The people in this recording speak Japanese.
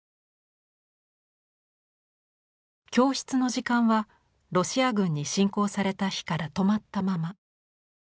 教室の時間はロシア軍に侵攻された日から止まったまま。